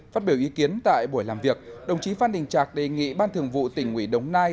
phát biểu ý kiến tại buổi làm việc đồng chí phan đình trạc đề nghị ban thường vụ tỉnh ủy đồng nai